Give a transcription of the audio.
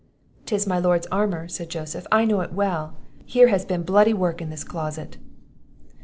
"'Tis my Lord's armour," said Joseph; "I know it well here has been bloody work in this closet!"